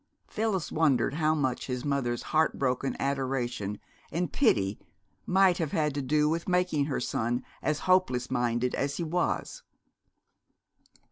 Phyllis wondered how much his mother's heartbroken adoration and pity might have had to do with making her son as hopeless minded as he was.